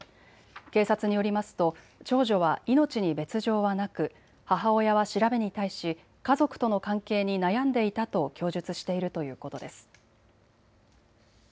警察によりますと長女は命に別状はなく母親は調べに対し家族との関係に悩んでいたと供述しているということです。